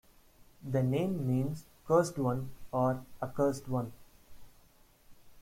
The name means "cursed one" or "accursed one".